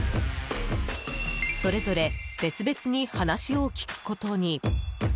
それぞれ別々に話を聞くことに。